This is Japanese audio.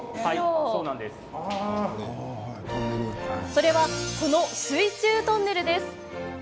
それは、この水中トンネルです。